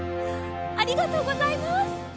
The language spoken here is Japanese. ありがとうございます。